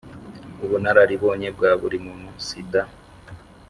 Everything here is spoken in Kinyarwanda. Ubunararibonye bwa buri muntu...sida